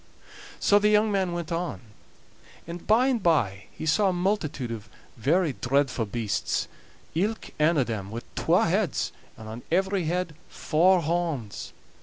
So the young man went on, and by and by he saw a multitude of very dreadfu' beasts, ilk ane o' them wi' twa heads, and on every head four horns.